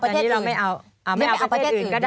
เดี๋ยวไปเอาประเทศอื่นก็ได้